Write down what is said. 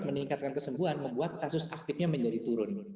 meningkatkan kesembuhan membuat kasus aktifnya menjadi turun